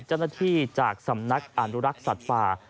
เจ้าหน้าที่จากสำนักอนุรักษ์สัตว์ป่า